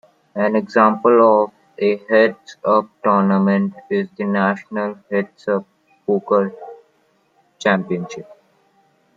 An example of a heads up tournament is the National Heads-Up Poker Championship.